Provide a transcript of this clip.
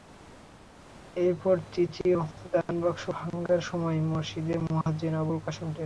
এরপর তৃতীয় দানবাক্স ভাঙার সময় মসজিদের মুয়াজ্জিন আবুল কাশেম টের পান।